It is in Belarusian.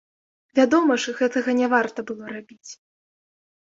Вядома ж, гэтага не варта было рабіць.